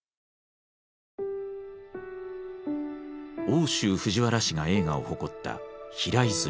奥州藤原氏が栄華を誇った平泉。